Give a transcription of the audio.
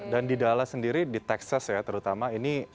dan di dallas sendiri di texas ya terutama ini